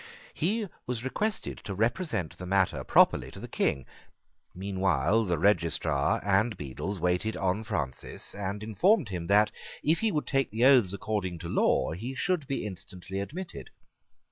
He was requested to represent the matter properly to the King. Meanwhile the Registrar and Bedells waited on Francis, and informed him that, if he would take the oaths according to law, he should be instantly admitted.